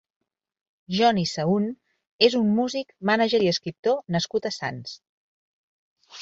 Johni Sahún és un músic, mànager i escriptor nascut a Sants.